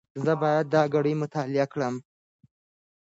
زه باید دا ګړې مطالعه کړم.